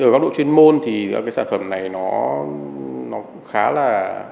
ở các đội chuyên môn thì sản phẩm này nó khá là